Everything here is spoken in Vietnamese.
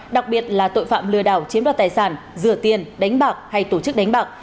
đặc biệt là tội phạm lừa đảo chiếm đoạt tài sản rửa tiền đánh bạc hay tổ chức đánh bạc